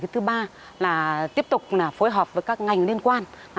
thứ ba là tiếp tục phối hợp với các ngành liên quan